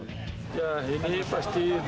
dan ini adalah tim tim tamu